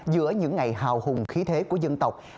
giữa những ngày hào hùng khí thế của dân tộc